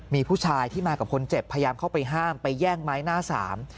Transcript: มีผู้ชายที่มากับคนเจ็บพยายามเข้าไปห้ามไปแย่งไม้หน้าสาม